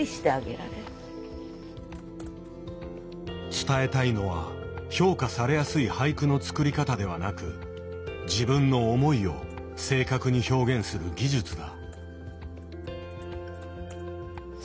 伝えたいのは評価されやすい俳句の作り方ではなく自分の思いを正確に表現する技術だ。